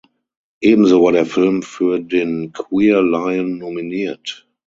Ebenso war der Film für den Queer Lion nominiert.